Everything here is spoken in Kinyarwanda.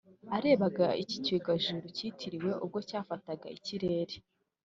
Arebaga iki cyogajuru yitiriwe ubwo cyafataga ikirere